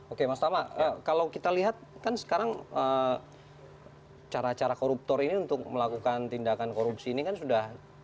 oke mas tama kalau kita lihat kan sekarang cara cara koruptor ini untuk melakukan tindakan korupsi ini kan sudah